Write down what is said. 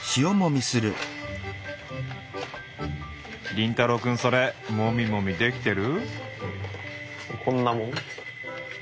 凛太郎くんそれもみもみできてる？